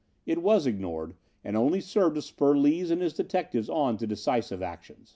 It was ignored, and only served to spur Lees and his detectives on to decisive action.